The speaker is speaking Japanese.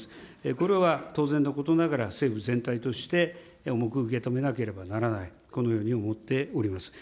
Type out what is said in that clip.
これは、当然のことながら政府全体として重く受け止めなければならない、このように思っております。